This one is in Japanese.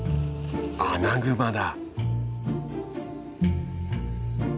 アナグマだ。